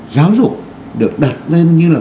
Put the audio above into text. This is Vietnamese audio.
giáo dục được đặt lên như là